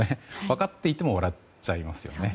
分かっていても笑っちゃいますよね。